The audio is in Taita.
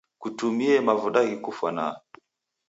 Kutumie mavuda ghikufwanaa.